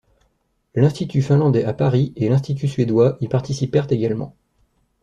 L’Institut finlandais à Paris et l'Institut suédois y participèrent également.